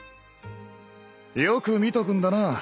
よく見とくんだな。